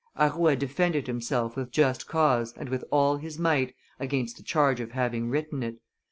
Arouet defended himself with just cause and with all his might against the charge of having written it.